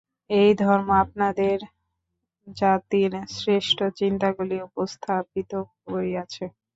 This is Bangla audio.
এই ধর্ম আপনাদের জাতির শ্রেষ্ঠ চিন্তাগুলি উপস্থাপিত করিয়াছে।